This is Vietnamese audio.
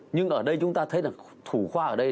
nhưng ở đây chúng ta thấy là thủ khoa ở đây